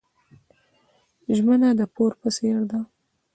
ژمنه د پور په څیر ده.